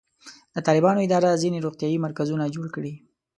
د طالبانو اداره ځینې روغتیایي مرکزونه جوړ کړي.